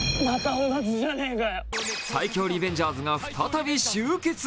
最強リベンジャーズが再び集結。